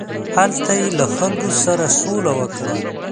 هلته یې له خلکو سره سوله وکړه.